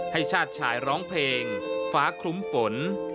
ชาติชายร้องเพลงฟ้าคลุ้มฝน